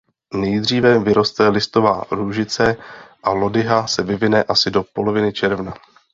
Nejdříve vyroste listová růžice a lodyha se vyvine asi do poloviny června.